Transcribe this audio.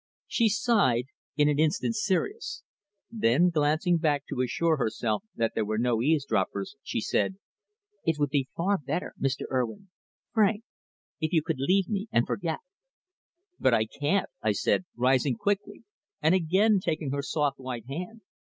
She sighed, in an instant serious. Then glancing back to assure herself that there were no eavesdroppers, she said, "It would be far better, Mr. Urwin Frank if you could leave me and forget." "But I can't," I said, rising quickly and again taking her soft white hand.